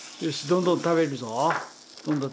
どんどん食べて。